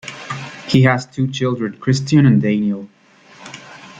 He has two children, Christian and Daniel.